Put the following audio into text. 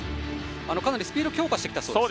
かなりスピードを強化してきたそうです。